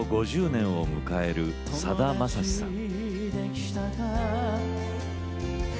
５０年を迎えるさだまさしさん。